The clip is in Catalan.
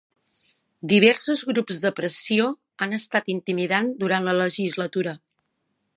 Diversos grups de pressió han estat intimidant durant la legislatura